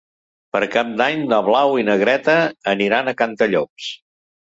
Per Cap d'Any na Blau i na Greta aniran a Cantallops.